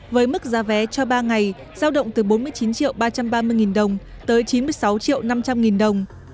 với mức giá vé cho ba ngày giao động từ bốn mươi chín ba trăm ba mươi đồng tới chín mươi sáu năm trăm linh đồng